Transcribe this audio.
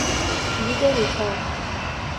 کلید روکار